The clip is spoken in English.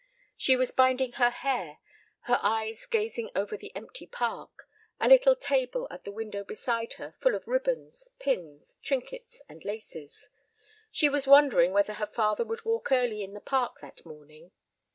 She was binding her hair, her eyes gazing over the empty park, a little table at the window beside her full of ribbons, pins, trinkets, and laces. She was wondering whether her father would walk early in the park that morning.